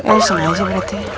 ya sengaja berarti